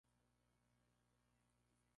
Fue co-escrita por John Wetton y Geoff Downes.